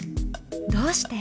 どうして？